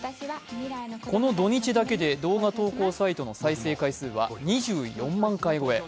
この土日だけで動画投稿サイトの再生回数は２４万回超え。